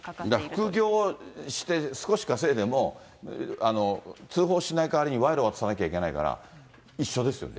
だから副業して少し稼いでも、通報しないかわりに賄賂を渡さなきゃいけないから、一緒ですよね。